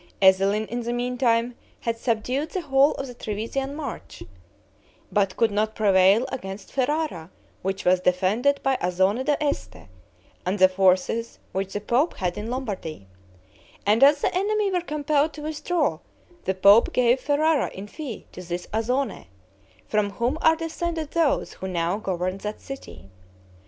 Ezelin, in the meantime, had subdued the whole of the Trevisian March, but could not prevail against Ferrara, which was defended by Azone da Este and the forces which the pope had in Lombardy; and, as the enemy were compelled to withdraw, the pope gave Ferrara in fee to this Azone, from whom are descended those who now govern that city.